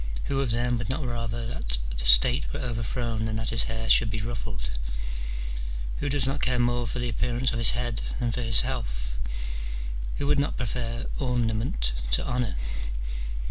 who of them would not rather that the state were overthrown than that his hair should be ruffled ? who does not care more for the appearance of his head than for his health ? who would not prefer ornament to honour